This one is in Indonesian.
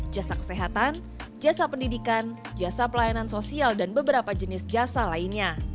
jasa kesehatan jasa pendidikan jasa pelayanan sosial dan beberapa jenis jasa lainnya